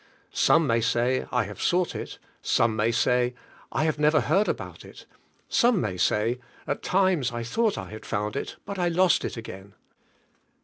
Some may say, "I have sought it;" some may say, "I have never heard about it;" some may say, "At times I thought I had found it, but I lost it again."